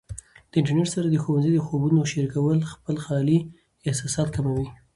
د انټرنیټ سره د ښوونځي د خوبونو شریکول خپل خالي احساسات کموي.